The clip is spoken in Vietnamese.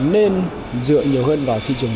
nên dựa nhiều hơn vào thị trường